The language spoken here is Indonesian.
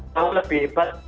tahu lebih hebat